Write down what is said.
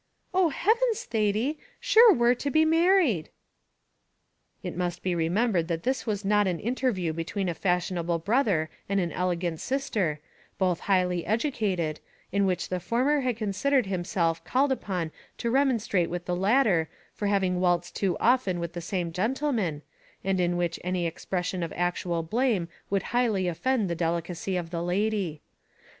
"Oh, heavens, Thady! sure we're to be married." It must be remembered that this was not an interview between a fashionable brother and an elegant sister, both highly educated, in which the former had considered himself called upon to remonstrate with the latter for having waltzed too often with the same gentleman, and in which any expression of actual blame would highly offend the delicacy of the lady.